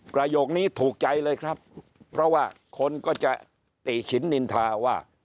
ประโยคนี้ถูกใจเลยครับเพราะว่าคนก็จะติฉินนินทาว่า